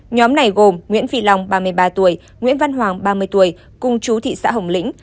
nhóm này gồm nguyễn phi long ba mươi ba tuổi nguyễn văn hoàng ba mươi tuổi cùng chú thị xã hồng lĩnh